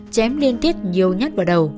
chém liên tiếp nhiều nhát vào đầu